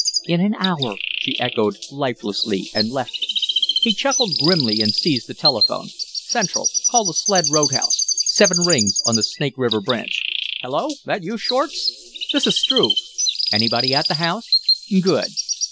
"In an hour," she echoed, lifelessly, and left him. He chuckled grimly and seized the telephone. "Central call the Sled road house seven rings on the Snake River branch. Hello! That you, Shortz? This is Struve. Anybody at the house? Good.